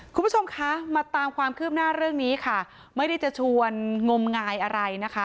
คุณผู้ชมคะมาตามความคืบหน้าเรื่องนี้ค่ะไม่ได้จะชวนงมงายอะไรนะคะ